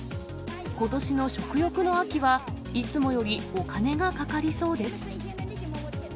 ことしの食欲の秋は、いつもよりお金がかかりそうです。